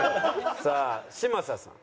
さあ嶋佐さん。